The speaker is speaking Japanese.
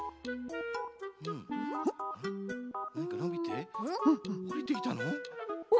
なんかのびておりてきたの？